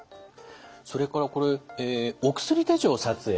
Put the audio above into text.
それからこれお薬手帳を撮影。